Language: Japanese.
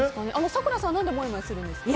咲楽さん、何でもやもやするんですか？